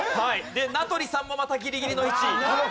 名取さんもまたギリギリの位置。